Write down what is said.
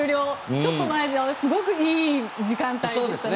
ちょっと前のすごくいい時間帯でしたね。